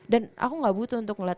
dan aku gak butuh untuk ngeliat